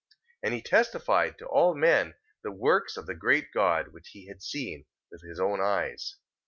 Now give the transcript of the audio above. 3:36. And he testified to all men the works of the great God, which he had seen with his own eyes.